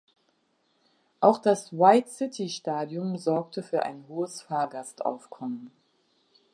Auch das White City Stadium sorgte für ein hohes Fahrgastaufkommen.